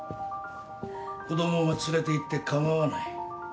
子供は連れていって構わない。